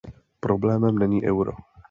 Problémem není euro.